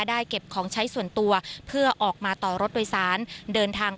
เก็บของใช้ส่วนตัวเพื่อออกมาต่อรถโดยสารเดินทาง